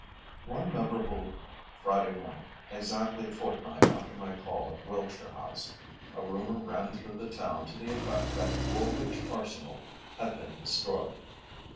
One memorable Friday morning, exactly a fortnight after my call at Wiltshire House, a rumour ran through the town to the effect that Woolwich Arsenal had been destroyed.